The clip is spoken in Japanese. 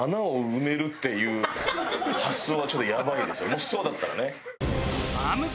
もしそうだったらね。